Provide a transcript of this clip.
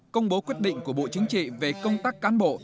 công bố quyết định của bộ chính trị về công tác cán bộ